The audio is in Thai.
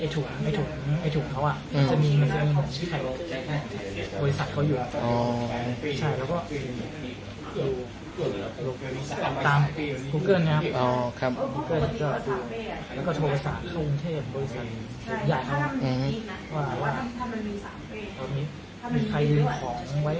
ถูกครับไอ้ถุกเขาอ่ะมันจะมีใครบริษัทเขาอยู่